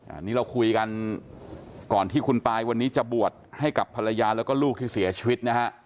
อันนี้เราคุยกันก่อนที่คุณปายวันนี้จะบวชให้กับภรรยาแล้วก็ลูกที่เสียชีวิตนะฮะ